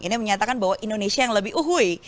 ini menyatakan bahwa indonesia yang lebih uhui